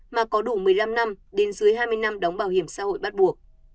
mà có đủ một mươi năm năm đến dưới hai mươi năm đóng bảo hiểm xã hội bắt buộc